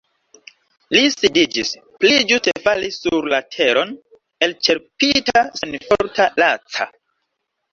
Li sidiĝis, pli ĝuste falis sur la teron elĉerpita, senforta, laca.